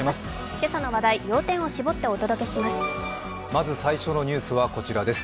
今朝の話題、要点を絞ってお伝えします。